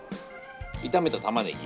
炒めたたまねぎ